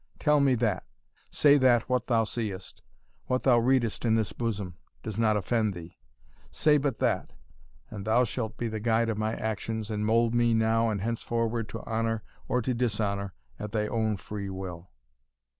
tell me that say that what thou seest what thou readest in this bosom, does not offend thee say but that, and thou shalt be the guide of my actions, and mould me now and henceforward to honour or to dishonour at thy own free will!"